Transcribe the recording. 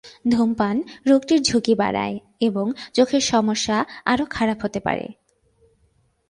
ধূমপান রোগটির ঝুঁকি বাড়ায় এবং চোখের সমস্যা আরও খারাপ হতে পারে।